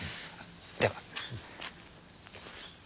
では。